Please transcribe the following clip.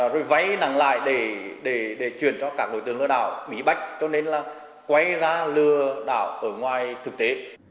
rồi váy nặng lại để chuyển cho các đối tượng lừa đảo bị bách cho nên là quay ra lừa đảo ở ngoài thực tế